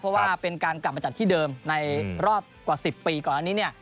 เพราะว่าเป็นการกลับมาจัดที่เดิมในรอบกว่า๑๐ปีก่อนอันนี้เนี่ย